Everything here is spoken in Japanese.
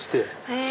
へぇ！